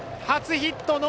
初ヒット！